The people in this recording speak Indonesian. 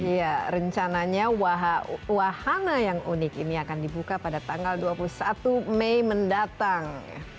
iya rencananya wahana yang unik ini akan dibuka pada tanggal dua puluh satu mei mendatang